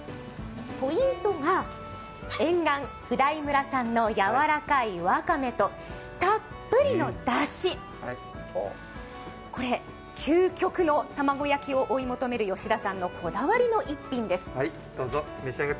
ポイントが沿岸普代村産のやわらかいわかめとたっぷりのだし、これ、究極の卵焼きを追い求める吉田さんのこだわりの逸品です。